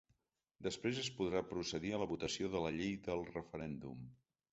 Després es podrà procedir a la votació de la llei del referèndum.